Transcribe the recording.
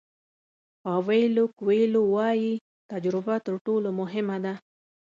پاویلو کویلو وایي تجربه تر ټولو مهمه ده.